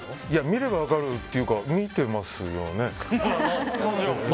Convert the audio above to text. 見れば分かるっていうか見ていますよね？